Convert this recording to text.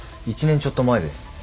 １年ちょっと前です。